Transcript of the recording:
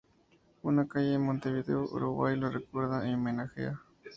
Una calle en Montevideo, Uruguay lo recuerda y homenajea.